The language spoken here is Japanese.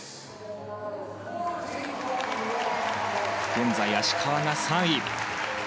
現在、芦川が３位。